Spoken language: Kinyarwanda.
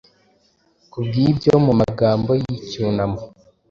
Kubwibyo mumagambo yicyunamo